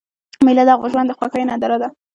مېله د ژوند د خوښیو ننداره ده.